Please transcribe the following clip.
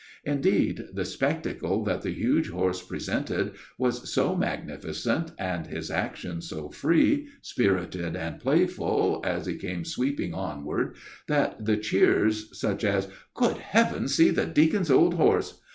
Indeed, the spectacle that the huge horse presented was so magnificent, his action so free, spirited, and playful, as he came sweeping onward, that cheers and exclamations, such as, "Good heavens! see the deacon's old horse!"